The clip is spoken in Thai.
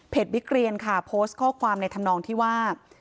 บิ๊กเรียนค่ะโพสต์ข้อความในธรรมนองที่ว่า